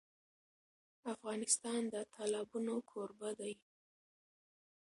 افغانستان د تالابونه کوربه دی.